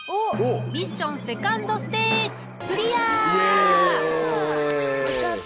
ミッションセカンドステージやった。